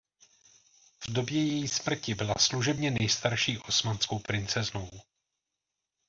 V době její smrti byla služebně nejstarší Osmanskou princeznou.